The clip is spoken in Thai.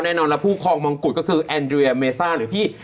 แน่นอนแล้วผู้ครองมงกุฎก็คือแอนเรียเมซ่าหรือที่